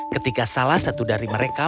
ketika salah satu dari mereka